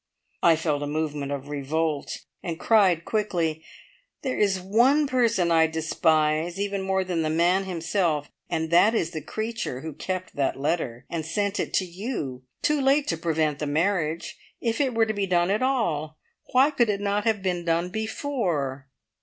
I felt a movement of revolt, and cried quickly: "There is one person I despise even more than the man himself, and that is the creature who kept that letter, and sent it to you too late to prevent the marriage! If it were to be done at all, why could it not have been done before?"